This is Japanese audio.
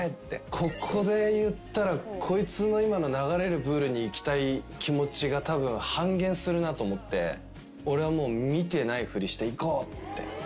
ここで言ったらこいつの今の流れるプールに行きたい気持ちがたぶん半減するなと思って俺は見てないふりして行こう！って。